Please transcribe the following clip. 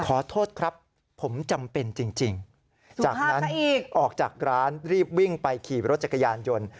ขอโทษครับผมจำเป็นจริงจากนั้นออกจากร้านรีบวิ่งไปขี่รถจักรยานยนต์